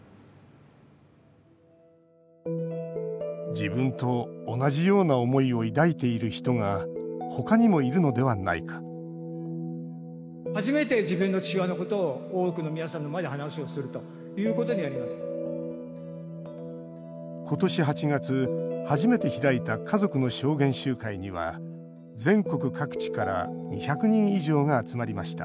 自分と同じような思いを抱いている人が他にもいるのではないか今年８月、初めて開いた家族の証言集会には全国各地から２００人以上が集まりました。